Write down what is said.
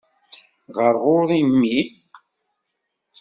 Ɣer ɣur-i mmi.